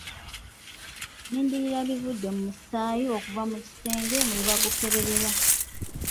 Nnindirira bivudde mu musaayi okuva mu kisenge mwe bagukeberera.